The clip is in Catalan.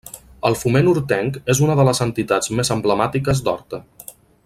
El Foment Hortenc és una de les entitats més emblemàtiques d'Horta.